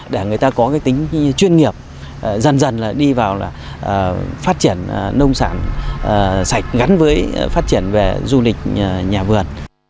để người ta có tính chuyên nghiệp dần dần đi vào phát triển nông sản sạch gắn với phát triển về du lịch nhà vườn